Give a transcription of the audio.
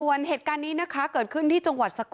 ทุกวันเหตุการณ์นี้เกิดขึ้นที่จ